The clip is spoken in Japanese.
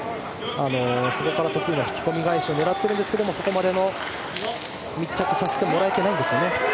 そこから得意のすみ返しを狙っているんですがそこまで密着させてもらえてないですね。